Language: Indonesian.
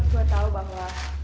gua tau bahwa